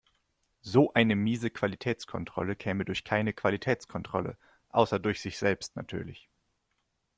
So eine miese Qualitätskontrolle käme durch keine Qualitätskontrolle, außer durch sich selbst natürlich.